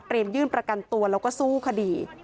ยื่นประกันตัวแล้วก็สู้คดี